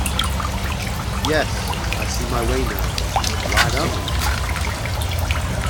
Yes, I see my way now, right on.